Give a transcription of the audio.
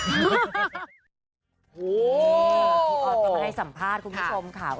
โอ้โหพี่ออสก็มาให้สัมภาษณ์คุณผู้ชมค่ะ